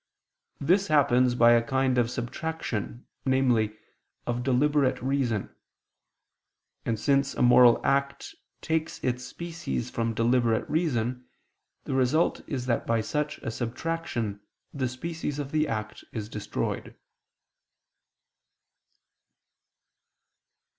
This happens by a kind of subtraction, namely, of deliberate reason. And since a moral act takes its species from deliberate reason, the result is that by such a subtraction the species of the act is destroyed.